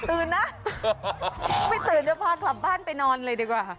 ตื่นนะไม่ตื่นจะพากลับบ้านไปนอนเลยดีกว่า